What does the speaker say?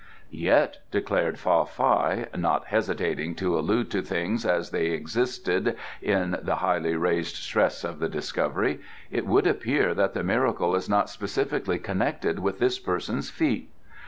"Yet," declared Fa Fai, not hesitating to allude to things as they existed, in the highly raised stress of the discovery, "it would appear that the miracle is not specifically connected with this person's feet.